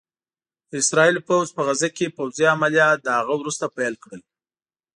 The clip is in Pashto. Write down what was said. د اسرائيلو پوځ په غزه کې پوځي عمليات له هغه وروسته پيل کړل